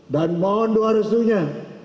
dan mohon doa restunya